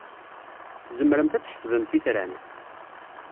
Tzemremt ad tḥesbemt itran?